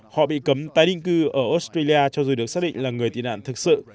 họ bị cấm tái định cư ở australia cho dù được xác định là người tị nạn thực sự